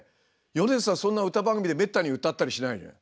そんな歌番組でめったに歌ったりしないのよ。